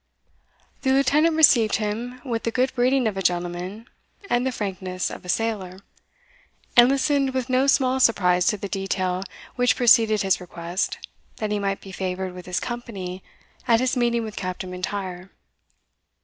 The lieutenant received him with the good breeding of a gentleman and the frankness of a sailor, and listened with no small surprise to the detail which preceded his request that he might be favoured with his company at his meeting with Captain M'Intyre.